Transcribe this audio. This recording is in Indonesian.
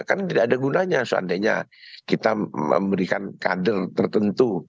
karena tidak ada gunanya seandainya kita memberikan kader tertentu